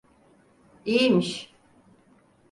İyimiş.